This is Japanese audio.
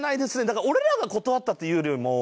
だから俺らが断ったっていうよりも。